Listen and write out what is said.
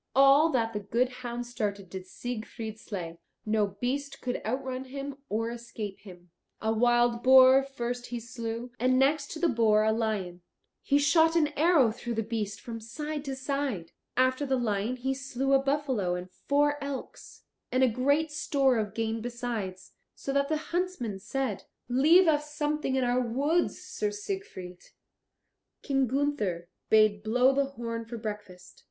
All that the good hound started did Siegfried slay; no beast could outrun him or escape him. A wild boar first he slew, and next to the boar a lion; he shot an arrow through the beast from side to side. After the lion he slew a buffalo and four elks, and a great store of game besides, so that the huntsmen said, "Leave us something in our woods, Sir Siegfried." King Gunther bade blow the horn for breakfast.